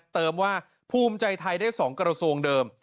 เติมว่าภูมิใจทัยได้สองกเกราสงด์เดิม